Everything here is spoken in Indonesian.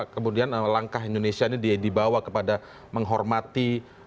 kemudian langkah indonesia ini dibawa kepada menghormati